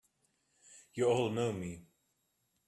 You all know me!